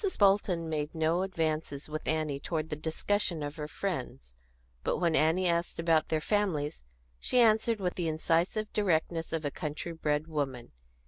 Bolton made no advances with Annie toward the discussion of her friends; but when Annie asked about their families, she answered with the incisive directness of a country bred woman.